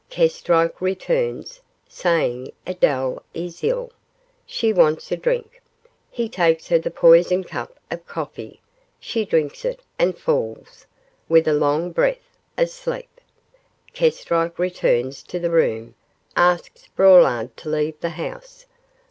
Kestrike returns, saying Adele is ill; she wants a drink. He takes her the poisoned cup of coffee; she drinks it and falls' with a long breath 'asleep. Kestrike returns to the room, asks Braulard to leave the house.